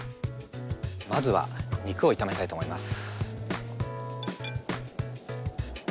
まずは肉を炒めたいと思います。